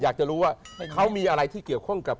อยากจะรู้ว่าเขามีอะไรที่เกี่ยวข้องกับ